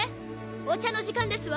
お茶の時間ですわ。